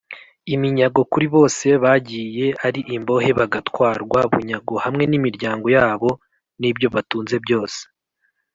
Iminyago kuri bose bagiye ari imbohe bagatwarwa bunyago hamwe n’imiryango yabo nibyo batunze byose.